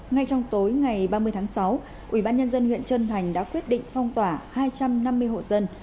ngay trong tối ngày ba mươi tháng sáu ubnd huyện trân thành đã quyết định phong tỏa hai trăm năm mươi hộ dân